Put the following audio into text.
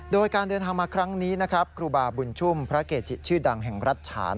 โดยการเดินทางมาครั้งนี้นะครับครูบาบุญชุ่มพระเกจิชื่อดังแห่งรัฐฉาน